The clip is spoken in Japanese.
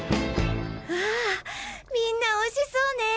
わぁみんな美味しそうね！